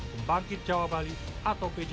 pembangkit jawab balik investment atau pjbi